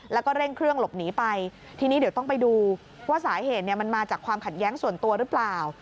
แล้วก็เร่งเครื่องหลบหนีไปทีนี้เดี๋ยวต้องไปดูว่าสาเหตุเนี่ยมันมาจากความขัดแย้งส่วนตัวหรือเปล่า